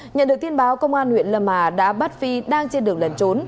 nhận được tin báo công an huyện lâm hà đã bắt phi đang trên đường lần trốn